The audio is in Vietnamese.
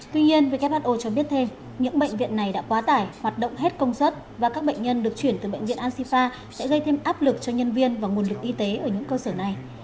tuy nhiên who cho biết thêm những bệnh viện này đã quá tải hoạt động hết công suất và các bệnh nhân được chuyển từ bệnh viện ansifa sẽ gây thêm áp lực cho nhân viên và nguồn lực y tế ở những cơ sở này